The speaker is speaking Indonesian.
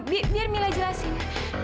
biar mila jelasin